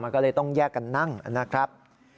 ก็เลยต้องแยกกันนั่งนะครับ